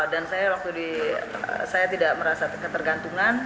dan saya waktu di saya tidak merasa ketergantungan